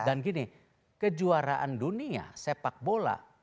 dan gini kejuaraan dunia sepak bola